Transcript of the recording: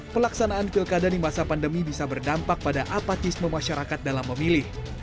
pelaksanaan pilkada di masa pandemi bisa berdampak pada apatisme masyarakat dalam memilih